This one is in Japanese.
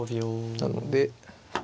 なので。